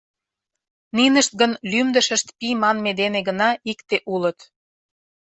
Нинышт гын лӱмдышышт пий манме дене гына икте улыт.